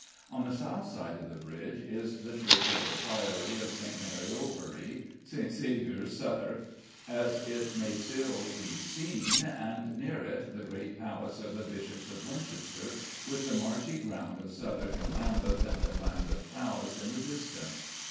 On the south side of the bridge is the church of the Priory of St. Mary Overy (St. Saviour's, Southwark), as it may still be seen, and near it the great palace of the Bishops of Winchester, with the marshy ground of Southwark and Lambeth, and Lambeth Palace in the distance.